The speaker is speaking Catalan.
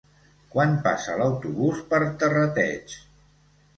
Quan passa l'autobús per Terrateig?